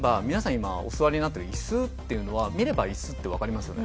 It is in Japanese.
今お座りになってるイスっていうのは見ればイスってわかりますよね？